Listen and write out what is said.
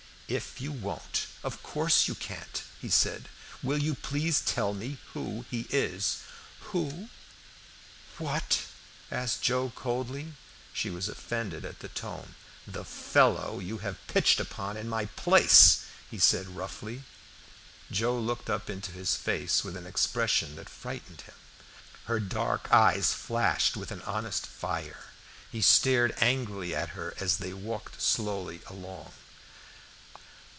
"If you won't, of course you can't," he said. "Will you please tell me who he is?" "Who? what?" asked Joe, coldly. She was offended at the tone. "The fellow you have pitched upon in my place," he said roughly. Joe looked up into his face with an expression that frightened him. Her dark eyes flashed with an honest fire, He stared angrily at her as they walked slowly along.